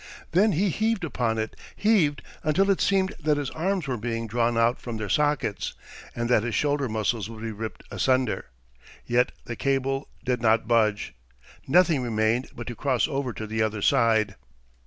Then he heaved upon it, heaved until it seemed that his arms were being drawn out from their sockets and that his shoulder muscles would be ripped asunder. Yet the cable did not budge. Nothing remained but to cross over to the other side.